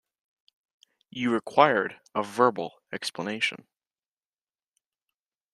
You required a verbal explanation.